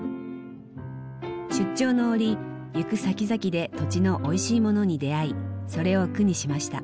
出張の折行くさきざきで土地のおいしいものに出会いそれを句にしました。